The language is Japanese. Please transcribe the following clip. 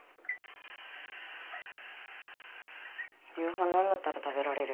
夕飯何だったら食べられる？